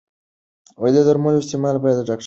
د درملو استعمال باید د ډاکتر تر نظر لاندې وي.